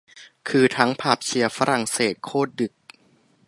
คือทั้งผับเชียร์ฝรั่งเศส โคตรคึก